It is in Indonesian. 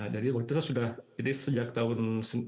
jadi waktu itu saya sudah jadi sejak tahun dua ribu satu